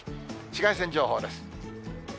紫外線情報です。